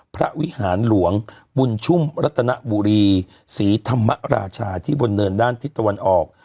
วิหารหลวงบุญชุ่มรัตนบุรีศรีธรรมราชาที่บนเนินด้านทิศตะวันออก